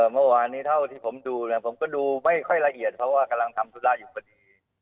เมื่อวานนี้เท่าที่ผมดูเนี่ยผมก็ดูไม่ค่อยละเอียดเพราะว่ากำลังทำธุระอยู่พอดี